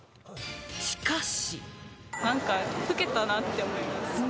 しかし。